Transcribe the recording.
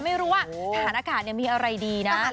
ไม่รู้ว่าฐานอากาศมีอะไรดีนะ